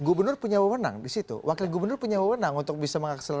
gubernur punya wewenang disitu wakil gubernur punya wewenang untuk bisa mengakselerasi itu